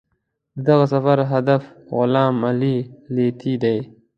د دغه سفر هدف غلام علي لیتي دی.